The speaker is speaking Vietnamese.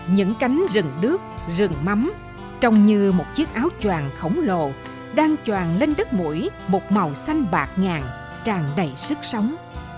những cánh rừng đước rừng mắm trồng như một chiếc áo choàng khổng lồ đang choàng lên đất mũi một màu xanh bạc ngàn tràn đầy sức sống